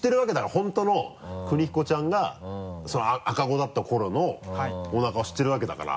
本当の邦彦ちゃんが赤子だった頃のおなかを知ってるわけだから。